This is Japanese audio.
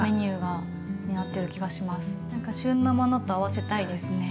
何か旬のものと合わせたいですね。